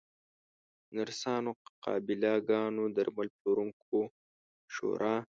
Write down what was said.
نرسانو، قابله ګانو، درمل پلورونکو شورا